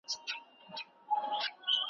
پوه انسان تل سمې پرېکړې کوي.